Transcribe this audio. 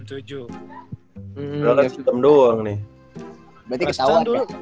berarti ketemu doang nih